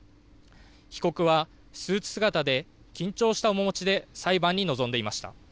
被告はスーツ姿で緊張した面持ちで裁判に臨んでいました。